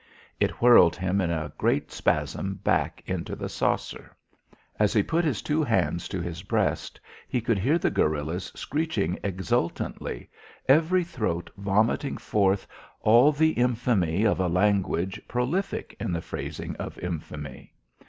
It whirled him in a great spasm back into the saucer. As he put his two hands to his breast, he could hear the guerillas screeching exultantly, every throat vomiting forth all the infamy of a language prolific in the phrasing of infamy.